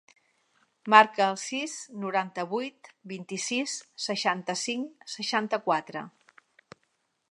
Marca el sis, noranta-vuit, vint-i-sis, seixanta-cinc, seixanta-quatre.